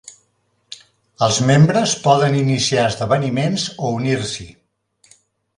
Els membres poden iniciar esdeveniments o unir-s'hi.